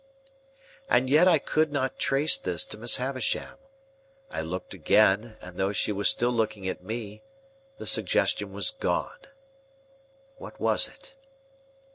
And yet I could not trace this to Miss Havisham. I looked again, and though she was still looking at me, the suggestion was gone. What was it?